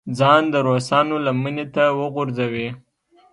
ځان د روسانو لمنې ته وغورځوي.